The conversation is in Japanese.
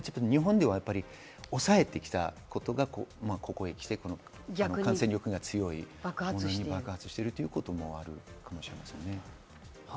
日本では抑えてきたことがここへきて感染力が強い、爆発しているということもあるかもしれませんね。